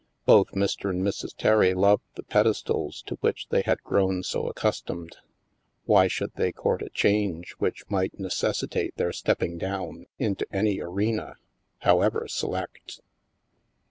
Both Mr. and Mrs. Terry loved the pedestals to which they had grown so accustomed; why should they court a change which might necessitate their stepping down into any arena, however select